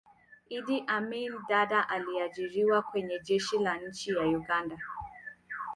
iddi amin dadaa aliajiriwa Kwenye jeshi la nchi ya uganda